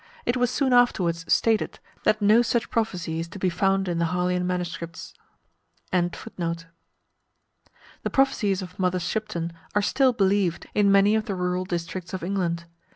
It was soon afterwards stated that no such prophecy is to be found in the Harleian Ms. The prophecies of Mother Shipton are still believed in many of the rural districts of England.